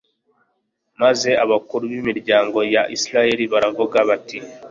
maze abakuru b'imiryango ya israheli baravuga bati